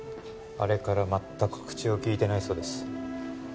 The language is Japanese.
あれから全く口をきいてないそうです